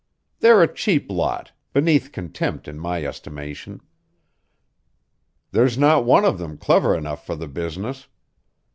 They're a cheap lot, beneath contempt in my estimation. There's not one of them clever enough for the business.